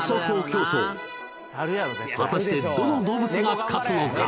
競走果たしてどの動物が勝つのか？